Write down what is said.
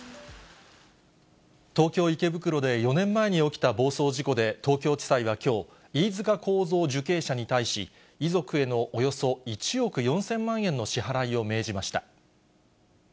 東京・池袋で４年前に起きた暴走事故で、東京地裁はきょう、飯塚幸三受刑者に対し、遺族へのおよそ１億４０００万円の支払いを命じました。